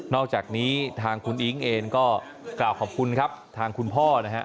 อกจากนี้ทางคุณอิ๊งเองก็กล่าวขอบคุณครับทางคุณพ่อนะฮะ